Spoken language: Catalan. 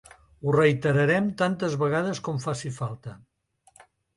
Ho reiterarem tantes vegades com faci falta.